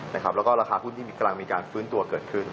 แล้วก็ราคาหุ้นที่กำลังมีการฟื้นตัวเกิดขึ้น